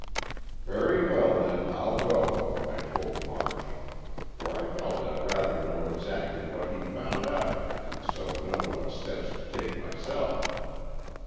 "Very well, then, I'll go," I told March. For I felt I'd rather know exactly what he found out and so know what steps to take myself.